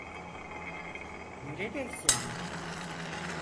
Neredeyse mi?